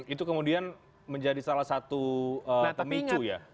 itu kemudian menjadi salah satu pemicu ya